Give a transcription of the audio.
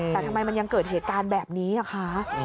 แต่ทำไมมันยังเกิดเหตุการณ์แบบนี้อะคะ